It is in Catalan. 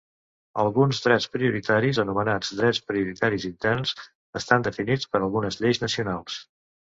Alguns drets prioritaris, anomenats "drets prioritaris interns", estan definits per algunes lleis nacionals.